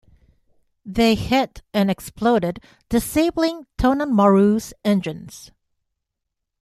They hit and exploded disabling "Tonan Maru"'s engines.